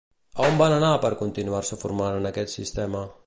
A on va anar per continuar-se formant en aquest sistema?